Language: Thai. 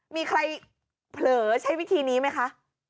มีใครเผลอใช้วิธีนี้ไหมคะ